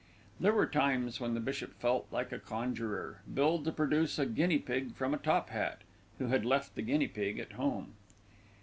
There were times when the bishop felt like a conjurer, billed to produce a guinea pig from a top hat, who had left the guinea pig at home.